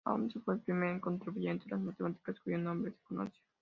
Ahmose fue el primer contribuyente a las matemáticas cuyo nombre se conoce.